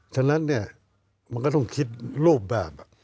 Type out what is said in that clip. ฉะนั้นมันก็ต้องคิดรูปแบบ